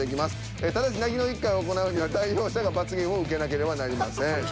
ただし泣きの１回を行うには代表者が罰ゲームを受けなければなりません。